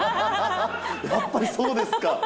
やっぱりそうですか。